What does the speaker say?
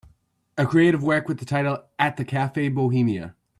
Acreative work with the title At the Cafe Bohemia